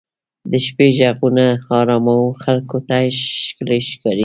د شپې ږغونه ارامو خلکو ته ښکلي ښکاري.